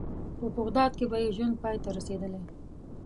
په بغداد کې به یې ژوند پای ته رسېدلی.